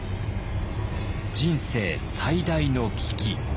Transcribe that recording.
人生最大の危機。